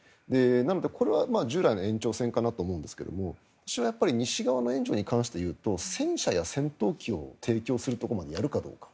なので、これは従来の延長線かなと思うんですが西側の援助に関していうと戦車や戦闘機を提供するところまでやるかどうか。